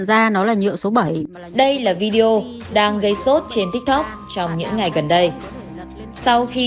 rằng nó là nhựa số bảy đây là video đang gây sốt trên tik tok trong những ngày gần đây sau khi